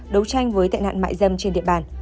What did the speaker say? đấu tranh với tệ nạn mại dâm trên địa bàn